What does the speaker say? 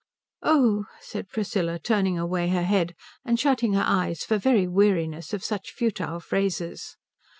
"Oh," said Priscilla, turning away her head and shutting her eyes for very weariness of such futile phrases.